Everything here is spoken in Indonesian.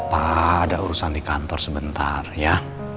pak ada urusan di kantor sebentar ya